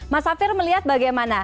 mas safir melihat bagaimana